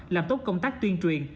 làm tốt công tác tuyên truyền